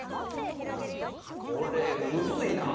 これむずいなあ。